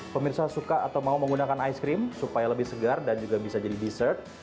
pemirsa suka atau mau menggunakan ice cream supaya lebih segar dan juga bisa jadi dessert